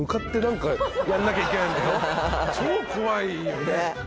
超怖いよね。